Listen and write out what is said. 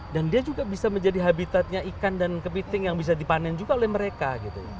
dan dia juga bisa menjadi habitatnya ikan dan kepiting yang bisa dipanen juga oleh mereka gitu